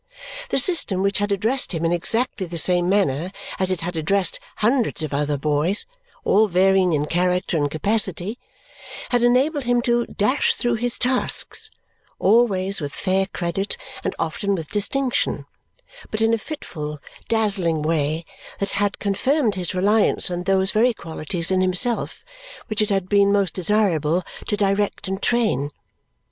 The system which had addressed him in exactly the same manner as it had addressed hundreds of other boys, all varying in character and capacity, had enabled him to dash through his tasks, always with fair credit and often with distinction, but in a fitful, dazzling way that had confirmed his reliance on those very qualities in himself which it had been most desirable to direct and train.